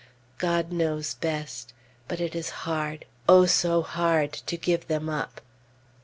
God knows best. But it is hard O so hard! to give them up....